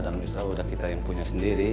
dalam istilah sudah kita yang punya sendiri